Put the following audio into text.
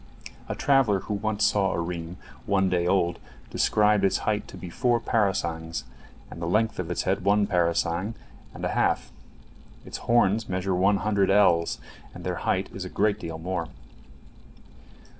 A traveller who once saw a reem one day old described its height to be four parasangs, and the length of its head one parasang and a half. Its horns measure one hundred ells, and their height is a great deal more.